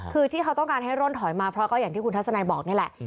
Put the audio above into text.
คือเขาต้องการให้ร่นถอยมาเพราะแบบที่คุณทัศนัยบอกมันแหละ